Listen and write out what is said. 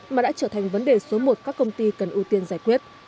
mà đã trở thành vấn đề số một các công ty cần ưu tiên giải quyết